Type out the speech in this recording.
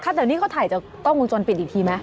ครับแต่นี่เขาถ่ายจากต้องมุมชนปิดอีกทีไหม